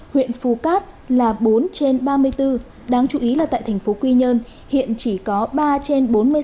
huyện phu cát là bốn trên ba mươi bốn đáng chú ý là tại thành phố quy nhơn hiện chỉ có ba trên bốn mươi sáu cơ sở hoạt động